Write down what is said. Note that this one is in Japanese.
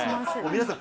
皆さん。